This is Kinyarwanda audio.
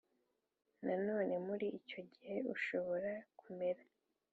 Nanone muri icyo gihe ushobora kumera